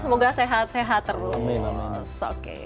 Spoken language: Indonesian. semoga sehat sehat terus